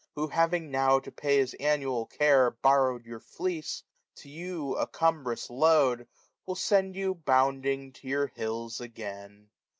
Who having now, to pay his annual care, 420 Borrowed your fleece, to you a cumbrous load. Will send you bounding to your hills again.